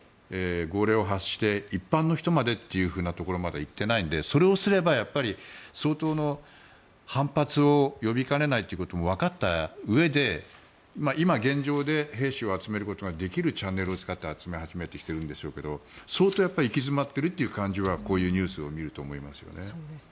号令を発して一般の人までというところまでは行っていないのでそれをすれば相当の反発を呼びかねないということもわかったうえで今、現状で兵士を集めることができるチャンネルを使って集め始めてきているんでしょうが相当行き詰まっているという感じはこういうニュースを見ると思いますよね。